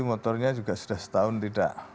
motornya juga sudah setahun tidak